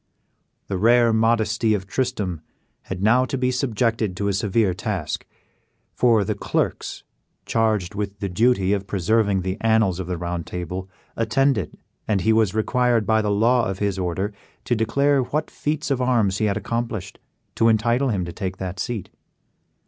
The rare modesty of Tristram had now to be subjected to a severe task; for the clerks charged with the duty of preserving the annals of the Round Table attended, and he was required by the law of his order to declare what feats of arms he had accomplished to entitle him to take that seat.